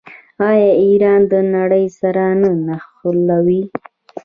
آیا ایران د نړۍ سره نه نښلوي؟